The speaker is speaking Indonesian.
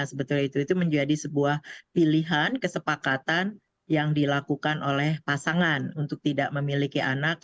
sebetulnya itu menjadi sebuah pilihan kesepakatan yang dilakukan oleh pasangan untuk tidak memiliki anak